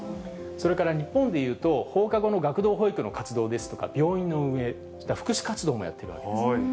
それから日本でいうと、放課後の学童保育の活動ですとか、病院の運営、福祉活動もやっているわけです。